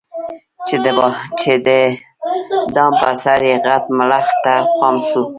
چي د دام پر سر یې غټ ملخ ته پام سو